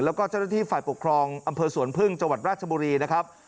แล้วก็เจ้าหน้าที่ฝ่ายปกครองอำเภอสวนพึ่งจังหวัดราชบุรีนะครับ